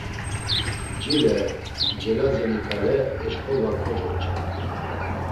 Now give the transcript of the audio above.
Cile, Celazeni ǩale eşǩolva kocoç̌ey.